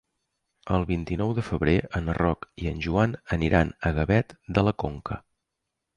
El vint-i-nou de febrer en Roc i en Joan aniran a Gavet de la Conca.